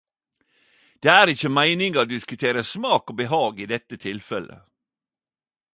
Det er ikkje meininga å diskutere smak og behag i dette tilfellet.